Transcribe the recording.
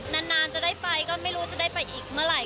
นานจะได้ไปก็ไม่รู้จะได้ไปอีกเมื่อไหร่